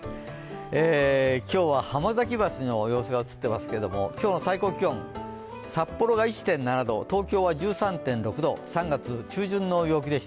今日は浜崎橋の様子が映っていますけども、今日の最高気温、札幌が１．７度、東京は１３．６度、３月中旬の陽気でした。